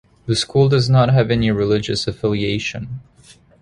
The School does not have any religious affiliation.